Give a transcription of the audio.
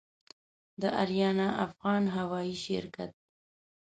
د آریانا افغان هوايي شرکت